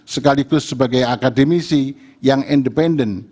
sekaligus sebagai akademisi yang independen